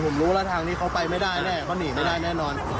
ผมรู้แล้วทางนี้เขาไปไม่ได้แน่เขาหนีไม่ได้แน่นอน